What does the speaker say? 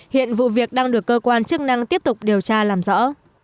hiện vụ việc đang được cơ quan chức năng tiếp tục điều tra làm rõ